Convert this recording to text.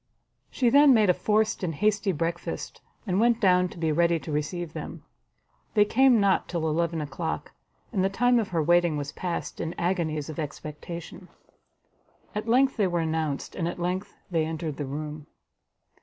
She then made a forced and hasty breakfast, and went down to be ready to receive them. They came not till eleven o'clock, and the time of her waiting was passed in agonies of expectation. At length they were announced, and at length they entered the room.